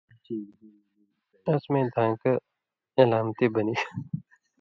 اسمَیں دھان٘کہ علامَتی بنِگ